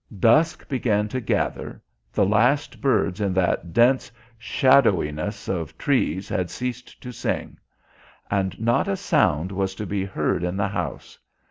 Dusk began to gather, the last birds in that dense shadowiness of trees had ceased to sing. And not a sound was to be heard in the house.